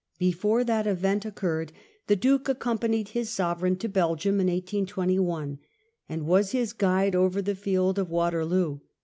Before that eyent occurred the Duke accompanied his sovereign to Belgium in 1821, and was his guide over the field of Waterloo.